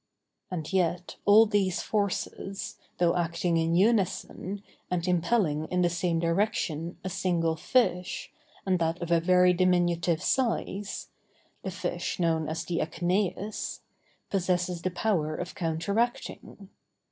And yet all these forces, though acting in unison, and impelling in the same direction, a single fish, and that of a very diminutive size—the fish known as the "echeneïs"—possesses the power of counteracting.